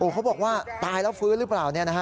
เขาบอกว่าตายแล้วฟื้นหรือเปล่า